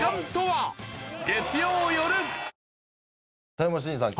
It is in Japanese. タイムマシーンさん